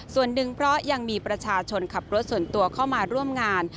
ส่วนหนึ่งเพราะยังมีประชาชนขับรถส่วนตัวเข้ามาร่วมงาน